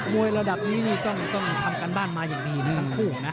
วยระดับนี้ต้องทำการบ้านมาอย่างดีนะทั้งคู่นะ